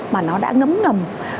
mà nó đã ngấm ngầm